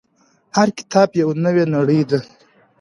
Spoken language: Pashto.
• هر کتاب یو نوی نړۍ ده.